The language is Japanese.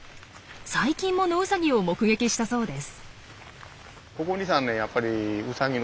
最近もノウサギを目撃したそうです。